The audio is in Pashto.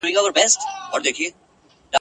د ټګانو کوډګرانو له دامونو ..